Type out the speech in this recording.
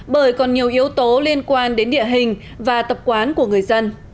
bởi còn nhiều yếu tố liên quan đến địa hình và tập quán của người dân